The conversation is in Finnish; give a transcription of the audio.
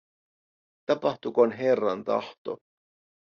Tapahtukoon Herran tahto.